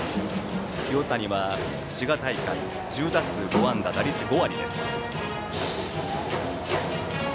清谷は滋賀大会、１０打数５安打打率は５割です。